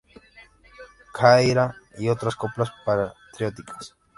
Ça ira" y otras coplas patrióticas.